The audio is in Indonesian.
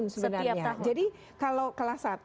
setiap tahun sebenarnya